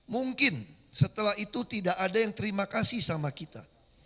mungkin setelah itu tidak ada yang terima kasih sama kita